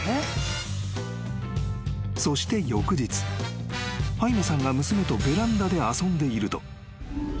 ［そして］［ハイメさんが娘とベランダで遊んでいると］